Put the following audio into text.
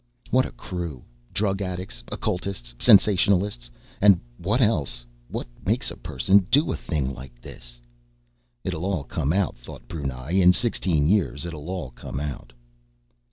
What a crew! Drug addicts, occultists, sensationalists ... and what else? What makes a person do a thing like this? It'll all come out, thought Brunei. In sixteen years, it'll all come out.